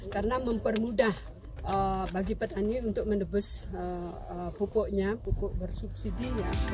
karena mempermudah bagi petani untuk mendebus pupuknya pupuk bersubsidi